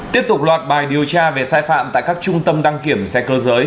tiếp tục loạt bài điều tra về sai phạm tại các trung tâm đăng kiểm xe cơ giới